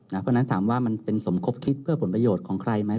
เพราะฉะนั้นถามว่ามันเป็นสมคบคิดเพื่อผลประโยชน์ของใครไหม